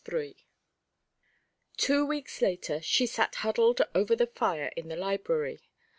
III Two weeks later she sat huddled over the fire in the library.